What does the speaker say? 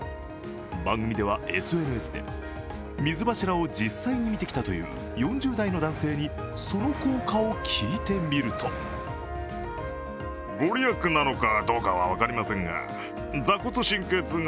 番組ではＳＮＳで水柱を実際に見てきたという４０代の男性にその効果を聞いてみると果たして御利益だったのか。